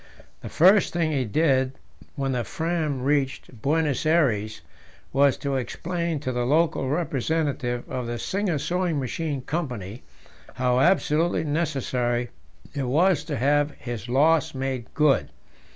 The first thing he did when the Fram reached Buenos Aires was to explain to the local representative of the Singer Sewing Machine Company how absolutely necessary it was to have his loss made good.